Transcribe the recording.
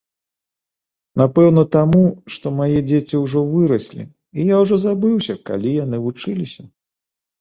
Напэўна таму, што мае дзеці ўжо выраслі, і я ўжо забыўся, калі яны вучыліся.